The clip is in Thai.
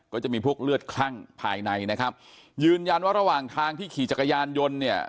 ก็จะมีพวกเลือดคลั่งภายในนะครับยืนยันว่าระหว่างทางที่ขี่จักรยานยนต์เนี่ย